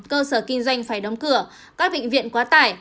cơ sở kinh doanh phải đóng cửa các bệnh viện quá tải